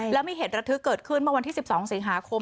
แล้วมีเหตุระทึกเกิดขึ้นเมื่อวันที่๑๒สิงหาคม